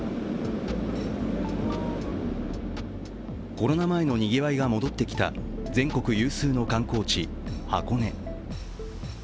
コロナ前のにぎわいが戻ってきた全国有数の観光地・箱根。